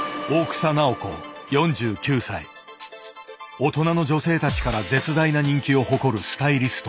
大人の女性たちから絶大な人気を誇るスタイリスト。